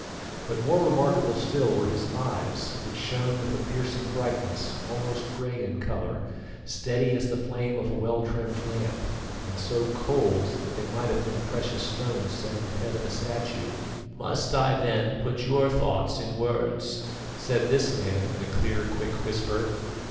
But more remarkable still were his eyes, which shone with a piercing brightness, almost grey in colour, steady as the flame of a well trimmed lamp, and so cold that they might have been precious stones set in the head of a statue. "Must I then put your thoughts in words?" said this man in a clear quick whisper.